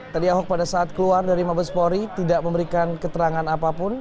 tadi ahok pada saat keluar dari mabespori tidak memberikan keterangan apapun